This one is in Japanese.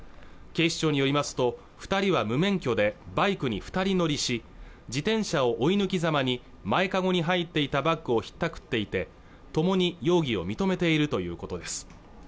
警視庁によりますと二人は無免許でバイクに二人乗りし自転車を追い抜きざまに前カゴに入っていたバッグをひったくっていてともに容疑を認めているということです